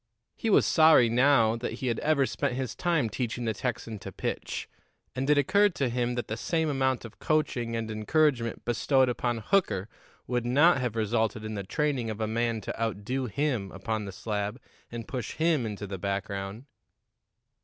He was sorry now that he had ever spent his time teaching the Texan to pitch, and it occurred to him that the same amount of coaching and encouragement bestowed upon Hooker would not have resulted in the training of a man to outdo him upon the slab and push him into the background.